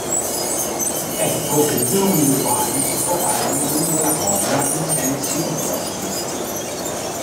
Ecco che due onde uguali si propagano lungo la corda in sensi opposti.